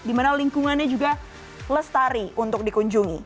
dimana lingkungannya juga lestari untuk dikunjungi